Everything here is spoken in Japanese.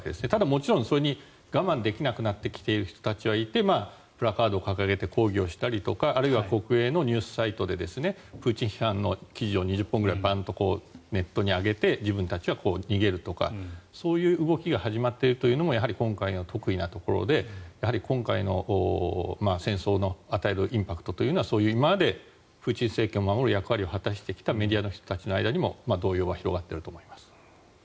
もちろんそれに我慢できなくなってきている人たちもいてプラカードを掲げて抗議をしたりとかあるいは国営のニュースサイトでプーチン批判の記事を２０本ぐらいバンとネットに上げて自分たちは逃げるとかそういう動きが始まっているというのも今回の特異なところでやはり今回の戦争の与えるインパクトというのは今までプーチン政権を守る役割を果たしてきたメディアの人たちの間にも動揺は広がっていると思います。